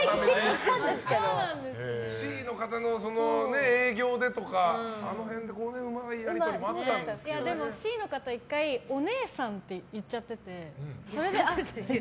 Ｃの方の営業でとかあの辺のうまいやり取りもＣの方、１回お姉さんって言っちゃってて。